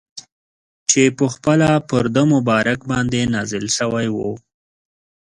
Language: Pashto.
چي پخپله پر ده مبارک باندي نازل سوی وو.